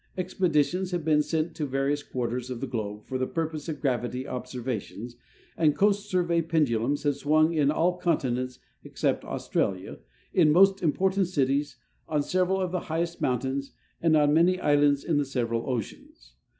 Expeditions have been sent to various quarters of the globe for the purpose of gravity observations, and Coast Survey pendulums have swung in all continents except Australia, in most important cities, on several of the highest mountains, and on many islands in the several oceans.